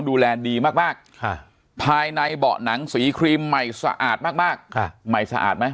ดูแลดีมากภายในเบาะหนังสีครีมใหม่สะอาดมากใหม่สะอาดไหม